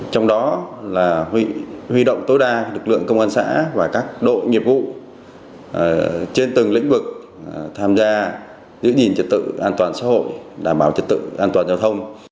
trong đó là huy động tối đa lực lượng công an xã và các đội nghiệp vụ trên từng lĩnh vực tham gia giữ gìn trật tự an toàn xã hội đảm bảo trật tự an toàn giao thông